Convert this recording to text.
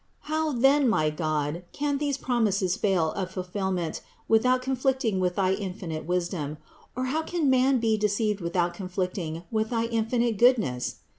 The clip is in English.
How then, my God, can these promises fail of ful fillment without conflicting with thy infinite wisdom; or how can man be deceived without conflicting with thy goodness